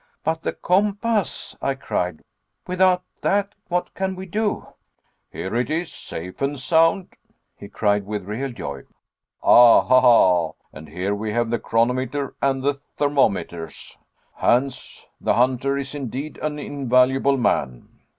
"But the compass," I cried, "without that what can we do?" "Here it is, safe and sound!" he cried, with real joy, "ah, ah, and here we have the chronometer and the thermometers. Hans the hunter is indeed an invaluable man!"